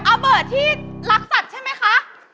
อ้าวเบิร์ดที่รักสัตว์ใช่ไหมคะ